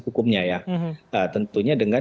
hukumnya ya tentunya dengan